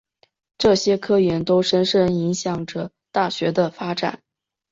这些科研都深深影响着大学的发展。